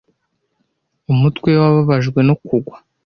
Umutwe we wababajwe no kugwa.